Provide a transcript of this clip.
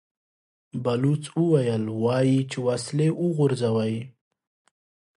بلوڅ وويل: وايي چې وسلې وغورځوئ!